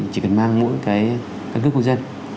chỉ cần mang mỗi cái căn cức công dân